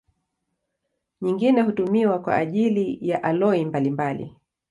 Nyingine hutumiwa kwa ajili ya aloi mbalimbali.